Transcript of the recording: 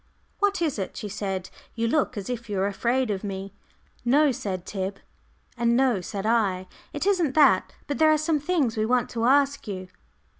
"What is it?" she said. "You look as if you were afraid of me." "No," said Tib, and "No," said I. "It isn't that, but there are some things we want to ask you."